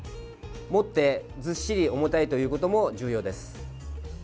持ってずっしり重たいということも重要です。